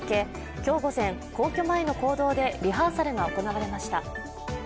今日午前、皇居前の公道でリハーサルが行われました。